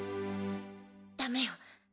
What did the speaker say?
ダメよ。